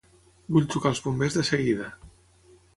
Vull trucar als bombers de seguida.